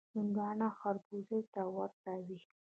هندوانه خړبوزه ته ورته وي.